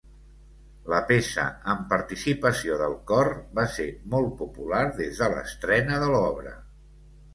La peça, amb participació del cor, va ser molt popular des de l'estrena de l'obra.